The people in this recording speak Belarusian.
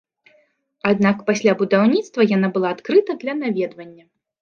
Аднак пасля будаўніцтва яна была адкрыта для наведвання.